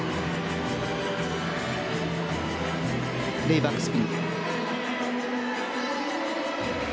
レイバックスピン。